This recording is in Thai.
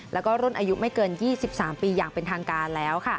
แล้วก็รุ่นอายุไม่เกิน๒๓ปีอย่างเป็นทางการแล้ว